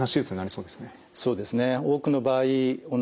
そうですね。